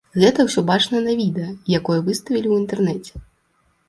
Гэта ўсё бачна на відэа, якое выставілі ў інтэрнэце.